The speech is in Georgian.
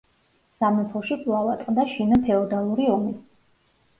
სამეფოში კვლავ ატყდა შინაფეოდალური ომი.